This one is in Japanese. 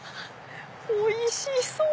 おいしそう！